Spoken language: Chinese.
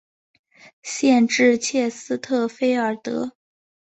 县治切斯特菲尔德。